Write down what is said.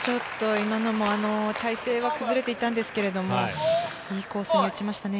今のは体勢は崩れていたんですけれども、いいコースに打ちましたね。